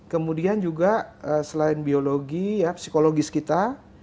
kemudian juga selain biologi psikologis kita